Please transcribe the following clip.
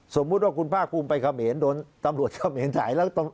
สมมุติว่าคุณภาคภูมิไปเขมรโดนตำรวจเขมรถ่ายแล้ว